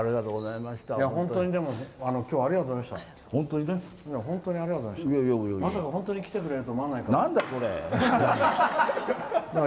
まさか本当に来てくれるとは思わないから。